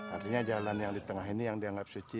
artinya jalan yang di tengah ini yang dianggap suci